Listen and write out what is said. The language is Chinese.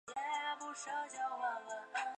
二者之间是两个分局的界线。